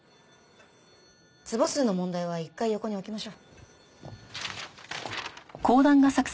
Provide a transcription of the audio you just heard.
坪数の問題は一回横に置きましょう。